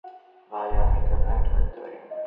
ভাই আমি কি আপনাকে টাকা দিতে পারি?